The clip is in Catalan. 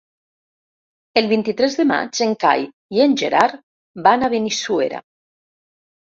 El vint-i-tres de maig en Cai i en Gerard van a Benissuera.